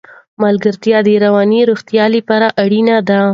ملګرتیا د رواني روغتیا لپاره اړینه ده.